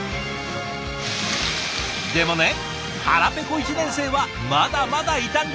でもね腹ぺこ１年生はまだまだいたんです。